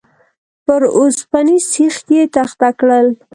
پر اوسپنيز سيخ يې تخته کړل.